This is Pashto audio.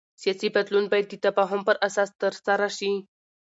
سیاسي بدلون باید د تفاهم پر اساس ترسره شي